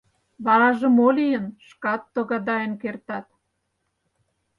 — Вараже мо лийын — шкат тогдаен кертат.